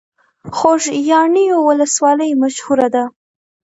خوږیاڼیو ولسوالۍ مشهوره ده؟